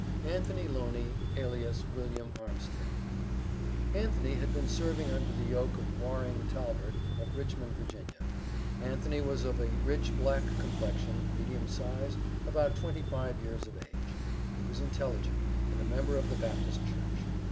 ANTHONY LONEY, ALIAS WILLIAM ARMSTEAD. Anthony had been serving under the yoke of Warring Talvert, of Richmond, Va. Anthony was of a rich black complexion, medium size, about twenty five years of age. He was intelligent, and a member of the Baptist Church.